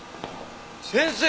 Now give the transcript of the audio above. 先生！